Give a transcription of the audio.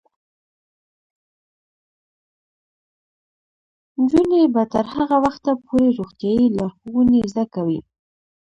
نجونې به تر هغه وخته پورې روغتیايي لارښوونې زده کوي.